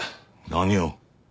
何を？